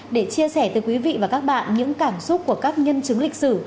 để chia sẻ từ quý vị và các bạn những cảm xúc của các nhân chứng lịch sử